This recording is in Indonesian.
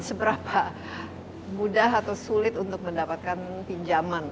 seberapa mudah atau sulit untuk mendapatkan pinjaman